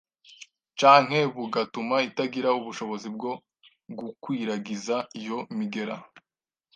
canke bugatuma itagira ubushobozi bwo gukwiragiza iyo migera.